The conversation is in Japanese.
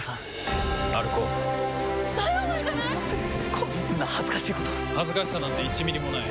こんな恥ずかしいこと恥ずかしさなんて１ミリもない。